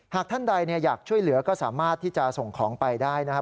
ท่านใดอยากช่วยเหลือก็สามารถที่จะส่งของไปได้นะครับ